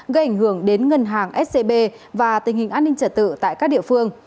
gây ảnh hưởng đến ngân hàng scb và tình hình an ninh trả tự tại các địa phương